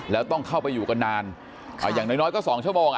แล้วต้องเข้าไปอยู่กันนานอย่างน้อยก็๒ชั่วโมง